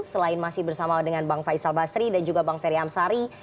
selain masih bersama dengan bang faisal basri dan juga bang ferry amsari